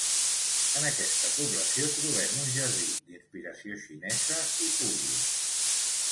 En aquesta població trobem un jardí d'inspiració xinesa i públic.